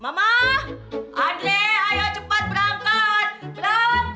mama andre ayo cepat berangkat berangkat